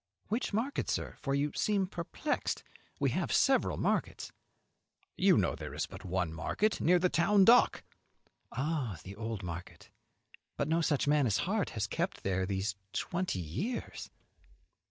"Which market, sir? for you seem perplexed; we have several markets." "You know there is but one market, near the town dock." "Oh, the old market. But no such man as Hart has kept there these twenty years."